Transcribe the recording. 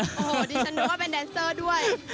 โอ้โหดิฉันนึกว่าเป็นแดนเซอร์ด้วย